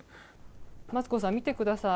マツコさん見てください。